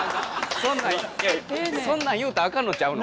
そんなんそんなん言うたらあかんのんちゃうの？